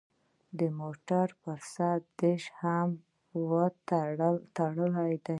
د موټر پر سر ډیش هم ولړزید